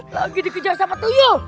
lagi dikejar sama tuyuh